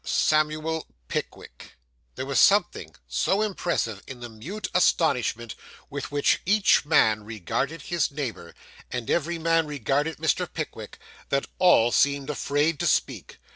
Samuel Pickwick. There was something so impressive in the mute astonishment with which each man regarded his neighbour, and every man regarded Mr. Pickwick, that all seemed afraid to speak.